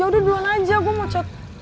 yaudah duluan aja gue mau cat